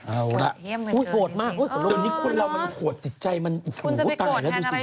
เอาล่ะโหดมากตอนนี้คนเรามันโหดจิตใจมันตายแล้วดูสิ